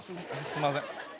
すみません。